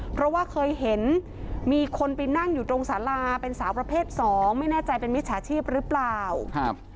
เพราะว่าเคยเห็นมีคนไปนั่งอยู่ตรงสาราเป็นสาวประเภทสองไม่แน่ใจเป็นมิจฉาชีพหรือเปล่าครับ